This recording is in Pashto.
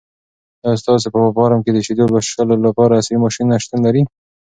آیا ستاسو په فارم کې د شیدو لوشلو لپاره عصري ماشینونه شتون لري؟